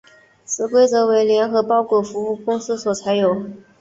此规则为联合包裹服务公司所采用。